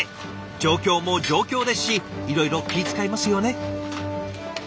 状況も状況ですしいろいろ気ぃ遣いますよね。